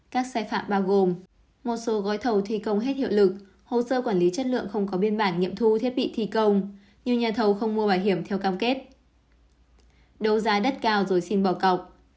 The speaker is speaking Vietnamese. các sai phạm bao gồm một số gói thầu thi công hết hiệu lực hồ sơ quản lý chất lượng không có biên bản nghiệm thu thiết bị thi công nhiều nhà thầu không mua bảo hiểm theo cam kết đấu giá đất cao rồi xin bỏ cọc